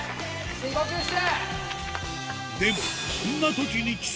深呼吸して！